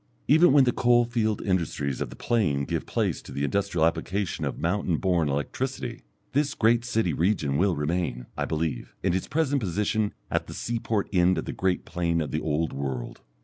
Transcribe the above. Even when the coal field industries of the plain give place to the industrial application of mountain born electricity, this great city region will remain, I believe, in its present position at the seaport end of the great plain of the Old World.